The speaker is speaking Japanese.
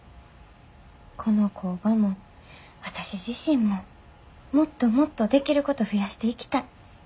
この工場も私自身ももっともっとできること増やしていきたい。